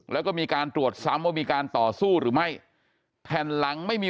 แล้วก็มีการตรวจซ้ำว่ามีการต่อสู้หรือไม่แผ่นหลังไม่มี